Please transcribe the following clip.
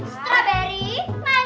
satu dua tiga